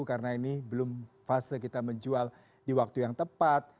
karena ini belum fase kita menjual di waktu yang tepat